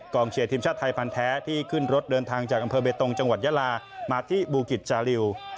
เชียร์ทีมชาติไทยพันธ์แท้ที่ขึ้นรถเดินทางจากอำเภอเบตงจังหวัดยาลามาที่บูกิจจาริว